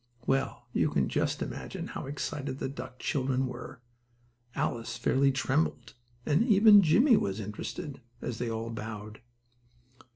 Well, you can just imagine how excited the duck children were. Alice fairly trembled, and even Jimmie was interested, as they all bowed.